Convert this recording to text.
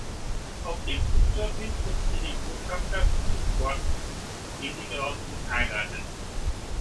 Auf dem Flug dorthin trifft sie den Botschafter Bruce Watts, den sie daraufhin heiratet.